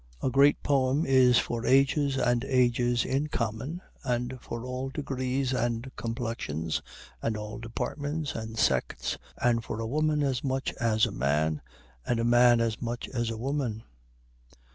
A great poem is for ages and ages in common, and for all degrees and complexions, and all departments and sects, and for a woman as much as a man, and a man as much as a woman.